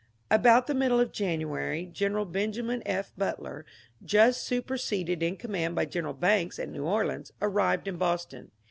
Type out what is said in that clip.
About the middle of January General Benjamin E; Butler, just superseded in command by General Banks at New Or leans, arrived in Boston.